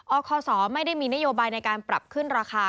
คศไม่ได้มีนโยบายในการปรับขึ้นราคา